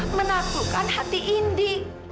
menaklukkan hati indi